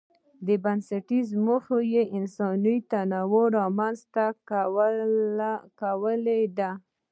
بنسټيزه موخه یې انساني تنوع رامنځته کول دي.